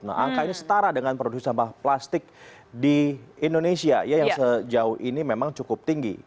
nah angka ini setara dengan produksi sampah plastik di indonesia yang sejauh ini memang cukup tinggi